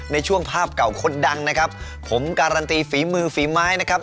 ในช่วงภาพเก่าคนดังนะครับผมการันตีฝีมือฝีไม้นะครับ